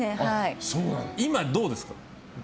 今どうですか？